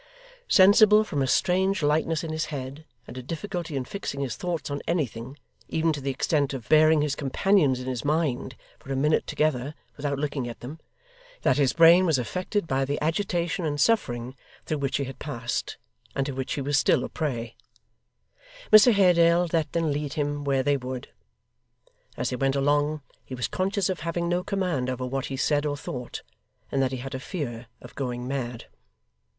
Sensible, from a strange lightness in his head, and a difficulty in fixing his thoughts on anything, even to the extent of bearing his companions in his mind for a minute together without looking at them, that his brain was affected by the agitation and suffering through which he had passed, and to which he was still a prey, Mr Haredale let them lead him where they would. As they went along, he was conscious of having no command over what he said or thought, and that he had a fear of going mad.